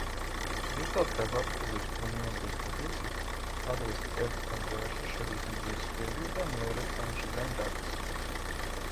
ზუსტად გაზაფხულის ბუნიობის დღისით, ტაძრის ერთ ფანჯარაში შედის მზის სხივი და მეორე ფანჯრიდან გადის.